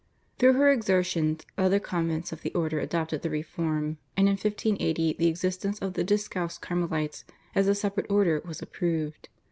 Through her exertions other convents of the order adopted the reform, and in 1580 the existence of the Discalced Carmelites as a separate order was approved.